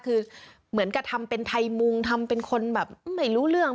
คือเหมือนกับทำเป็นไทยมุงทำเป็นคนแบบไม่รู้เรื่อง